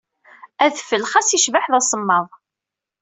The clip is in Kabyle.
Adfel, xas icbeḥ d asemmaḍ.